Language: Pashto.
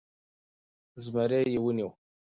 زمری يې و نيوی .